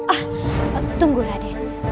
ah tunggu raden